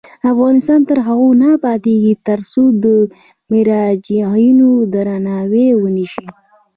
افغانستان تر هغو نه ابادیږي، ترڅو د مراجعینو درناوی ونشي.